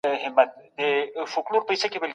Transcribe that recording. شکایت کوونکي خلک مو له موخو لرې کوي.